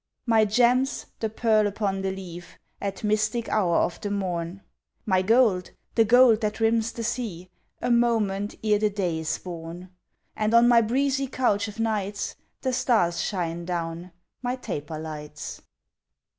My gems, the pearl upon the leaf At mystic hour of the morn; My gold, the gold that rims the sea A moment ere the day is born; And on my breezy couch o' nights The stars shine down my taper lights!